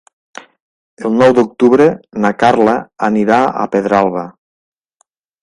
El nou d'octubre na Carla anirà a Pedralba.